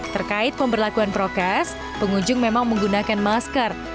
terkait pemberlakuan prokes pengunjung memang menggunakan masker